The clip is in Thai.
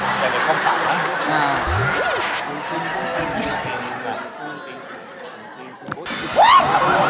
อยากได้ข้อมูลสารที่อ้าง